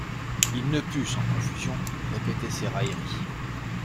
Il ne put, sans confusion, répéter ses railleries.